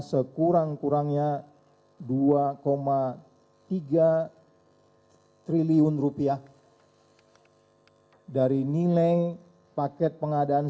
sekurang kurangnya rp dua tiga triliun dari nilai paket pengadilan